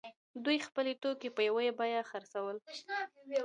دوی خپل توکي په یوه بیه خرڅول.